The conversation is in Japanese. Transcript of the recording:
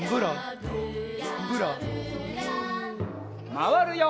まわるよ。